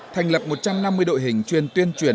thành lập một trăm năm mươi đội hình chuyên tuyên truyền